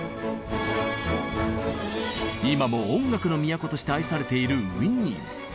今も音楽の都として愛されているウィーン。